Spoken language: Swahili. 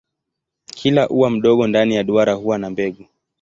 Kila ua mdogo ndani ya duara huwa na mbegu.